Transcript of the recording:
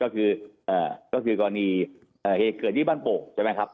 ก็คือกรณีเหตุเกิดที่บ้านโป่งใช่ไหมครับ